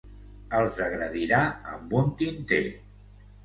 Els agredirà amb un tinter.